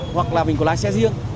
hoặc là mình có lái xe riêng